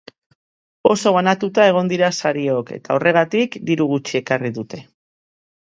Oso banatuta egon dira sariok eta, horregatik, diru gutxi ekarri dute.